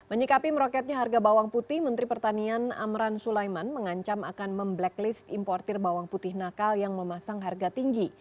menyikapi meroketnya harga bawang putih menteri pertanian amran sulaiman mengancam akan memblacklist importer bawang putih nakal yang memasang harga tinggi